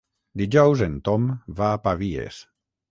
Dijous en Tom va a Pavies.